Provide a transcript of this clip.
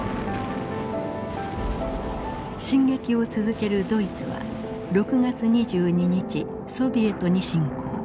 進撃を続けるドイツは６月２２日ソビエトに侵攻。